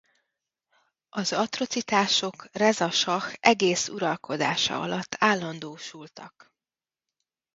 Az atrocitások Reza sah egész uralkodása alatt állandósultak.